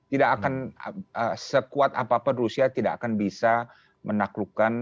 tidak akan sekuat apa apa rusia tidak akan bisa menaklukkan menangkap